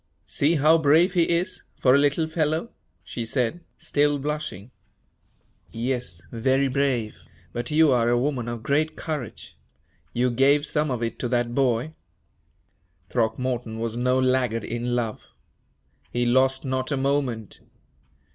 "See how brave he is, for a little fellow," she said, still blushing. "Yes, very brave. But you are a woman of great courage. You gave some of it to that boy." Throckmorton was no laggard in love. He lost not a moment.